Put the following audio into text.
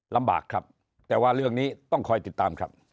ลำบากครับแต่ว่าเรื่องนี้ต้องคอยติดตามครับ